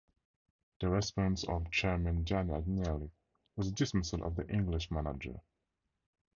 The response of chairman Gianni Agnelli was the dismissal of the English manager.